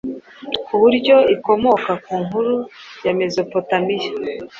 ku buryo ikomoka ku nkuru ya Mezopotamiya